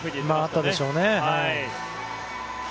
あったでしょうね。